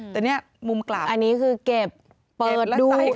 แต่เนี่ยมุมกลางอันนี้คือเก็บเปิดแล้ว